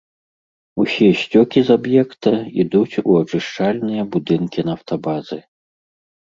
Усе сцёкі з аб'екта ідуць у ачышчальныя будынкі нафтабазы.